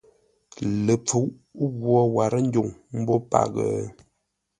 Ləpfuʼ ghwô warə́ ndwuŋ mbó paghʼə?